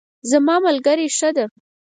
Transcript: زما ملګری ښه ده